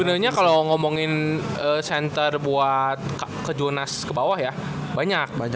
sebenernya kalau ngomongin center buat ke jonas ke bawah ya banyak